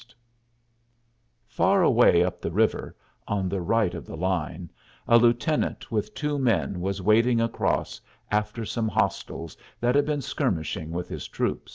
[Illustration: THE CHARGE] Far away up the river, on the right of the line, a lieutenant with two men was wading across after some hostiles that had been skirmishing with his troop.